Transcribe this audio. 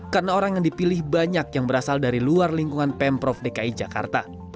karena orang yang dipilih banyak yang berasal dari luar lingkungan pemprov dki jakarta